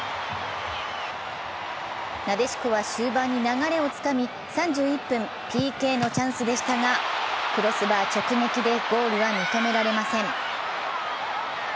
なでしこは終盤に流れをつかみ３１分、ＰＫのチャンスでしたがクロスバー直撃でゴールは認められません。